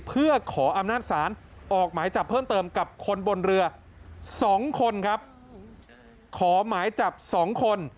เพื่อขออำนาจศาลออกหมายจับเพิ่มเติมกับคนบนเรือ๒คนครับขอหมายจับ๒คน